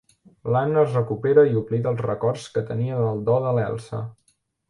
L'Anna es recupera i oblida els records que tenia del do de l'Elsa.